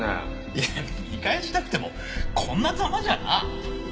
いや見返したくてもこんなザマじゃな。